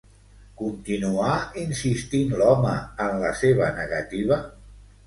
Continuà insistint l'home en la seva negativa?